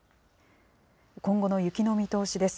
今後の雪の見通しです。